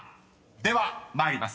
［では参ります。